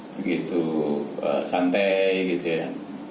begitu santai gitu ya